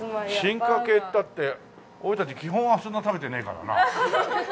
進化系っていったって俺たち基本はそんな食べてねえからな。